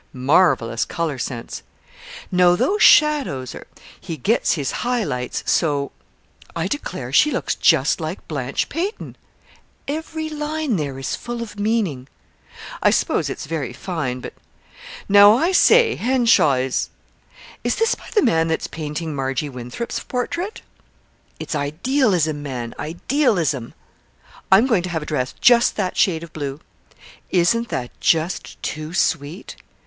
"Marvellous color sense!" "Now those shadows are " "He gets his high lights so " "I declare, she looks just like Blanche Payton!" "Every line there is full of meaning." "I suppose it's very fine, but " "Now, I say, Henshaw is " "Is this by the man that's painting Margy Winthrop's portrait?" "It's idealism, man, idealism!" "I'm going to have a dress just that shade of blue." "Isn't that just too sweet!"